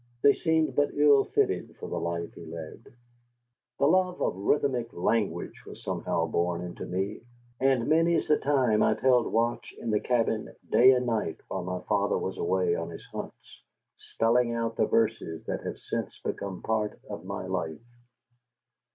They seemed but ill fitted for the life he led. The love of rhythmic language was somehow born into me, and many's the time I have held watch in the cabin day and night while my father was away on his hunts, spelling out the verses that have since become part of my life.